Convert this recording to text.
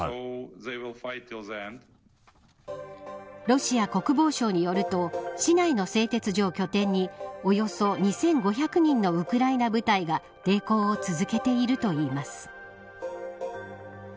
ロシア国防省によると市内の製鉄所を拠点におよそ２５００人のウクライナ部隊が抵抗を続けているといいます。